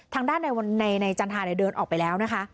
ทางด้านในจันทราเดินออกไปแล้วนะคะ